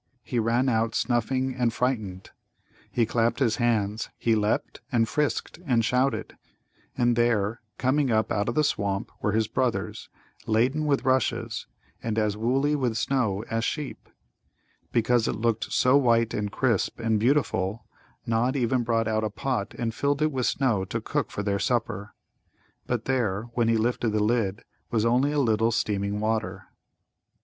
He ran out snuffing and frightened. He clapped his hands; he leapt and frisked and shouted. And there, coming up out of the swamp, were his brothers, laden with rushes, and as woolly with snow as sheep. Because it looked so white and crisp and beautiful Nod even brought out a pot and filled it with snow to cook for their supper. But there, when he lifted the lid, was only a little steaming water.